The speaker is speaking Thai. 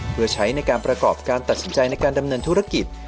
เพื่อใช้ในการประกอบการตัดสินใจในการดำเนินธุรกิจ